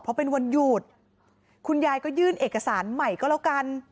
เพราะเป็นวันหยุดคุณยายก็ยื่นเอกสารใหม่ก็แล้วกัน